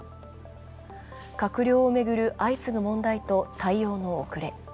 閣僚を巡る相次ぐ問題と対応の遅れ。